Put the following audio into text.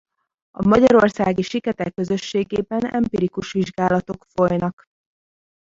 A magyarországi siketek közösségében empirikus vizsgálatok folynak.